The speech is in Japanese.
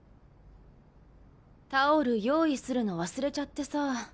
タオル用意するの忘れちゃってさ。